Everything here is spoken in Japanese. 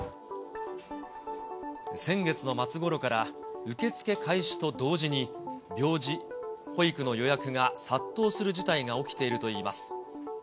先月の末ごろから、受け付け開始と同時に、病児保育の予約が殺到する事態が起きているといいます。